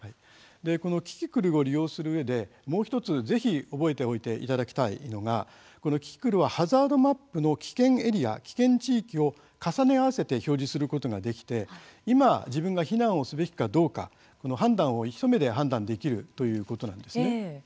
キキクルを利用するうえでもう１つ、ぜひ覚えておいていただきたいのがこのキキクルはハザードマップの危険エリア危険地域を重ね合わせて表示することができて今、自分が避難をすべきかどうか一目で判断できるということなんです。